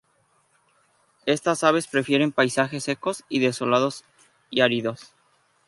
Estas aves prefieren paisajes secos, desolados y áridos.